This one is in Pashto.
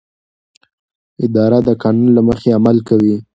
اداره د قانون له مخې عمل کوي.